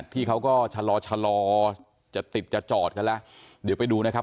ที่เขาก็ชะลอชะลอจะติดจะจอดกันแล้วเดี๋ยวไปดูนะครับ